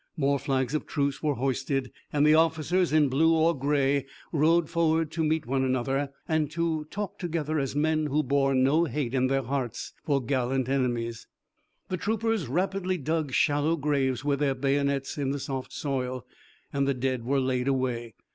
More flags of truce were hoisted, and the officers in blue or gray rode forward to meet one another, and to talk together as men who bore no hate in their hearts for gallant enemies. The troopers rapidly dug shallow graves with their bayonets in the soft soil, and the dead were laid away.